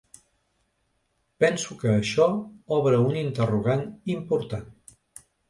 Penso que això obre un interrogant important.